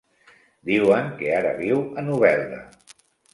Diuen que ara viu a Novelda.